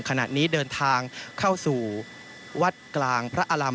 ขณะนี้เดินทางเข้าสู่วัดกลางพระอาราม